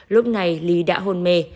lúc này lý đã hôn mê